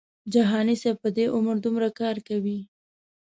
جهاني صاحب په دې عمر دومره کار کوي.